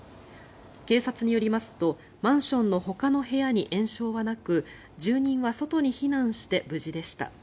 警察によりますとマンションのほかの部屋に延焼はなく住人は外に避難して無事でした。